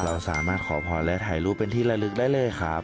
เราสามารถขอพรและถ่ายรูปเป็นที่ระลึกได้เลยครับ